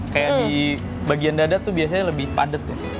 kayak di bagian dada tuh biasanya lebih padat tuh